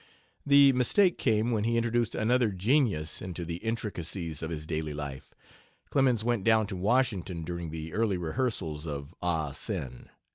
The mistake came when he introduced another genius into the intricacies of his daily life. Clemens went down to Washington during the early rehearsals of "Ah Sin."